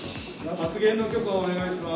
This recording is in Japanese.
発言の許可をお願いします。